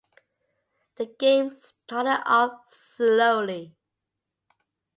The game started off slowly.